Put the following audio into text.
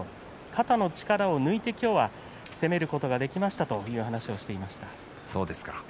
肩の力を抜いて今日は攻めることができましたという話をしていました。